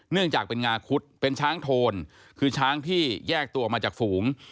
เนื่องจากเป็นงาคุดเป็นช้างโทนคือช้างที่แยกตัวออกมาจากฝูง